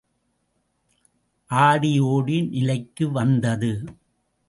ஆடி ஓடி நிலைக்கு வந்தது.